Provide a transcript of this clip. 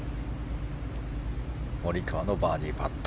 モリカワのバーディーパット。